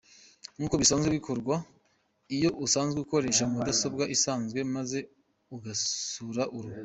nkuko bisanzwe bikorwa iyo usanzwe ukoresha mudasobwa isanzwe maze ugasura uru.